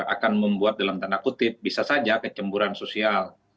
akan membuat dalam tanda kutip bisa saja kecemburan sosial